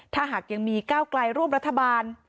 ถ้าหากยังมีก้าวไกลร่วมรัฐบาล